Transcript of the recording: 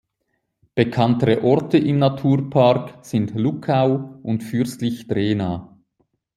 Bekanntere Orte im Naturpark sind Luckau und Fürstlich Drehna.